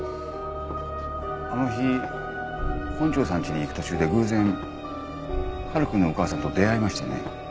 あの日本城さんちに行く途中で偶然晴くんのお母さんと出会いましてね。